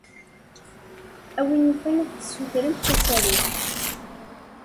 A win yufan ad tessutremt asaruf.